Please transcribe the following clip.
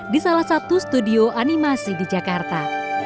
di salah satu studio animasi di jakarta